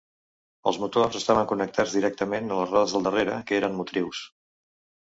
Els motors estaven connectats directament a les rodes del darrere, que eren motrius.